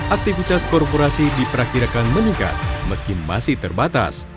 aktivitas korporasi diperkirakan meningkat meski masih terbatas